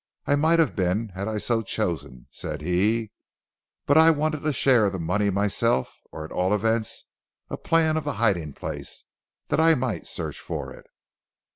"I might have been had I so chosen," said he, "but I wanted a share of the money myself, or at all events a plan of the hiding place, that I might search for it."